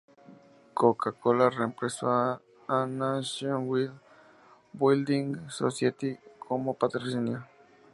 Coca-Cola reemplazo a Nationwide Building Society como patrocinio.